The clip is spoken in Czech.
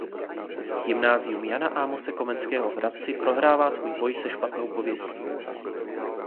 Gymnázium Jana Amose Komenského v Hradci prohrává svůj boj se špatnou pověstí.